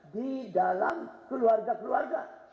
di dalam keluarga keluarga